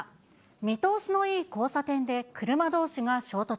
見通しのいい交差点で車どうしが衝突。